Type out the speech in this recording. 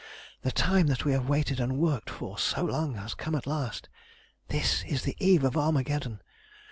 "The time that we have waited and worked for so long has come at last. This is the eve of Armageddon!